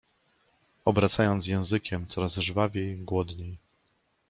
Obracając językiem coraz żwawiej, głodniej